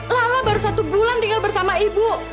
lala baru satu bulan tinggal bersama ibu